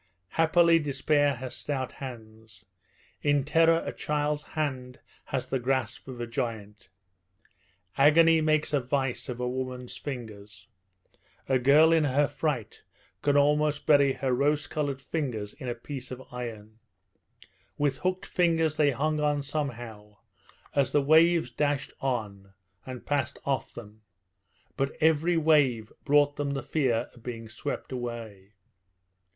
Happily despair has stout hands. In terror a child's hand has the grasp of a giant. Agony makes a vice of a woman's fingers. A girl in her fright can almost bury her rose coloured fingers in a piece of iron. With hooked fingers they hung on somehow, as the waves dashed on and passed off them; but every wave brought them the fear of being swept away.